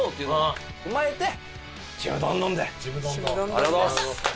ありがとうございます！